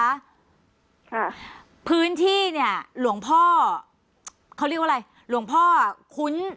ค่ะพื้นที่เนี่ยหลวงพ่อเขาเรียกว่าอะไรหลวงพ่อคุ้น